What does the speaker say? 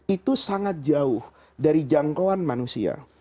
itu sangat jauh dari jangkauan manusia